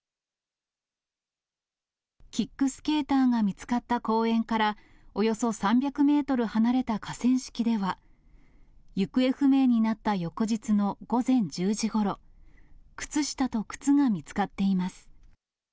キックスケーターが見つかった公園から、およそ３００メートル離れた河川敷では、行方不明になった翌日の午前１０時ごろ、靴下と靴が見つかっています。